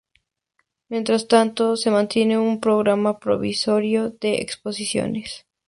Mientras tanto, se mantiene un programa provisorio de exposiciones.